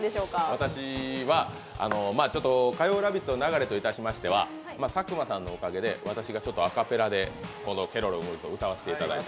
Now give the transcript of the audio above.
私は火曜「ラヴィット！」の流れとしましては佐久間さんのおかげで私がアカペラで「ケロロ軍曹」歌わせてもらった。